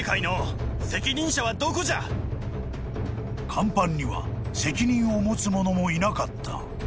［甲板には責任を持つ者もいなかった］